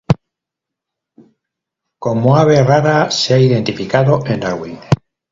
Como ave rara se ha identificado en Darwin.